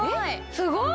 すごい！